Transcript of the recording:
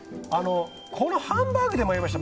このハンバーグで迷いました。